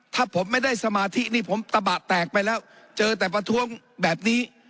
ถ้าผมไม่ได้สมาธินี่ผมตะบะแตกไปแล้วเจอแต่ประท้วงแบบนี้